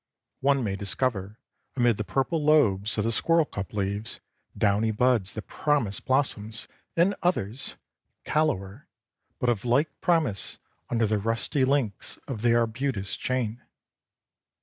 One may discover, amid the purple lobes of the squirrelcup leaves, downy buds that promise blossoms, and others, callower, but of like promise, under the rusty links of the arbutus chain.